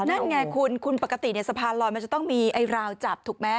นั่นไงคุณคุณปกติสะพานลอยมันจะต้องมีไอ้ราวจับถูกไหม